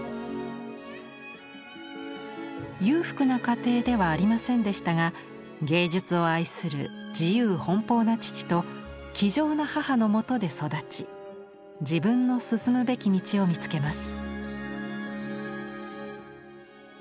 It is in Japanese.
裕福な家庭ではありませんでしたが芸術を愛する自由奔放な父と気丈な母のもとで育ち自分の進むべき道を見つけます。